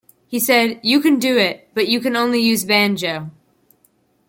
He said, 'You can do it, but you can only use banjo.